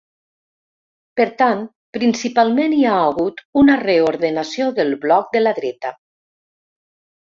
Per tant, principalment hi ha hagut una reordenació del bloc de la dreta.